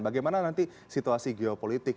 bagaimana nanti situasi geopolitik